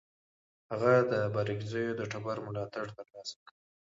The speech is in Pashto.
هغه د بارکزیو د ټبر ملاتړ ترلاسه کړ.